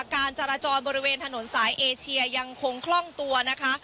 การจราจรบริเวณถนนสายเอเชียยังคงคล่องตัวนะคะ